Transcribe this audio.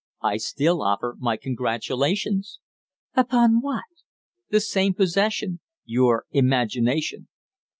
I still offer my congratulations." "Upon what?" "The same possession your imagination."